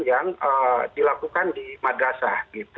yang dilakukan di madrasah